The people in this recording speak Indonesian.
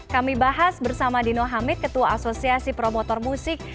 kami bahas bersama dino hamid ketua asosiasi promotor musik